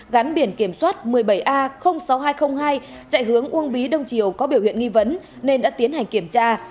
gắn biển kiểm soát một mươi bảy a sáu nghìn hai trăm linh hai chạy hướng uông bí đông triều có biểu hiện nghi vấn nên đã tiến hành kiểm tra